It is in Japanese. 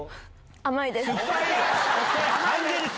甘いです。